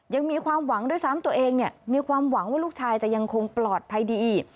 ยังมีความหวังด้วยซ้ำตัวเองมีความหวังว่าลูกชายจะยังคงปลอดภัยดีอีก